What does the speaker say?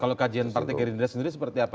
kalau kajian partai gerindra sendiri seperti apa